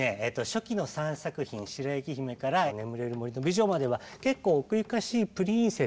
初期の３作品「白雪姫」から「眠れる森の美女」までは結構奥ゆかしいプリンセスのね